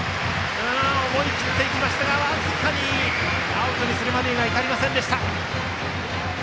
思い切っていきましたが、僅かにアウトにはできませんでした。